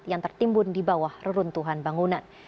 yang tertimbun di bawah reruntuhan bangunan